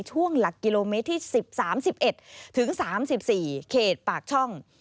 ช่วงหลักกิโลเมตรที่๑๓๑๑ถึง๓๔เขตปากช่อง